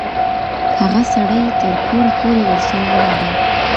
هغه سړی تر کوره پوري ورسره ولاړی.